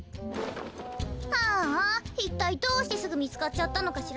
ああいったいどうしてすぐみつかっちゃったのかしら。